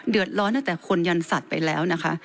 เดือดร้อนตั้งแต่คนยันสัตว์ไปแล้วนะคะ